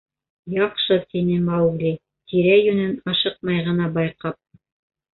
— Яҡшы, — тине Маугли, тирә-йүнен ашыҡмай ғына байҡап.